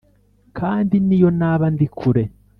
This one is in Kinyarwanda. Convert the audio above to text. kandi niyo naba ndi kure,